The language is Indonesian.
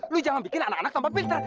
lu jangan bikin anak anak tambah pinter